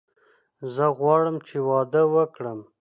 زه غواړم چې واده وکړم.